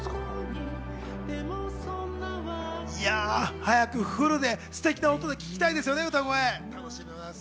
早くフルで、ステキな音で聴きたいですね、歌声。